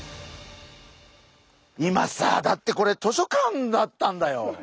今さだってこれ図書館だったんだよ。